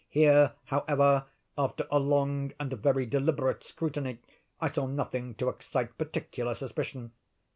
Here, however, after a long and very deliberate scrutiny, I saw nothing to excite particular suspicion.